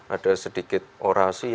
ada sedikit orasi